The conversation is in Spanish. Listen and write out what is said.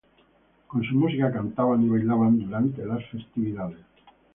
Con su música cantaban y bailaban durante las festividades.